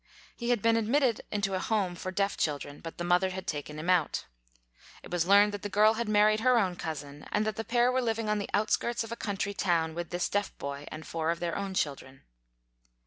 He had been admitted into a home for deaf children, but the mother had taken him out. It was learned that FACTS ABOUT THE KALLIKAK FAMILY 77 this girl had married her own cousin and that the pair were living on the outskirts of a country town, with this deaf boy and four of their own children.